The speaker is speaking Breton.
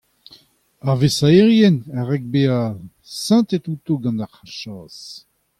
ar vêsaerien a rank bezañ sentet outo gant ar chas.